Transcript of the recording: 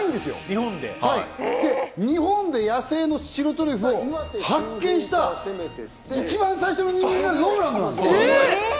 日本で野生の白トリュフを発見した一番最初の人間がＲＯＬＡＮＤなんです。